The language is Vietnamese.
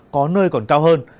có nơi còn cao hơn